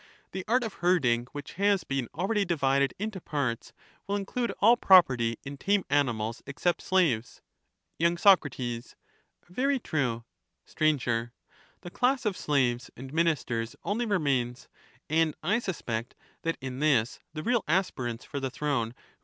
The art of herding, which has been already tame divided into parts, will include all property in tame animals, an»™ais, except slaves. slaves, have y. Soc, Very true. ^^^»«• Sir. The class of slaves and ministers only remains, and ^^^ I suspect that in this the real aspirants for the throne, who herding.